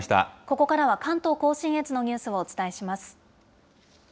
ここからは関東甲信越のニュースをお伝えします。